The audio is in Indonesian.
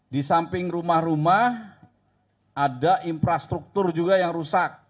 di samping rumah rumah ada infrastruktur juga yang rusak